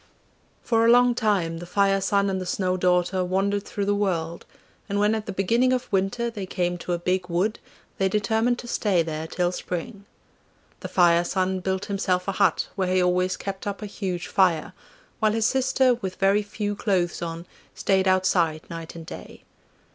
For a long time the Fire son and the Snow daughter wandered through the world, and when at the beginning of winter they came to a big wood they determined to stay there till spring. The Fire son built himself a hut where he always kept up a huge fire, while his sister with very few clothes on stayed outside night and day.